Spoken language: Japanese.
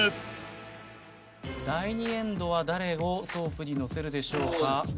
第２エンドは誰をソープに乗せるでしょうか？